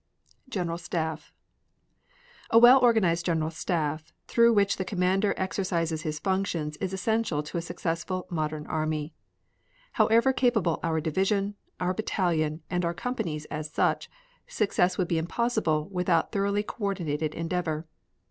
GENERAL STAFF A well organized General Staff through which the commander exercises his functions is essential to a successful modern army. However capable our division, our battalion, and our companies as such, success would be impossible without thoroughly coordinated endeavor.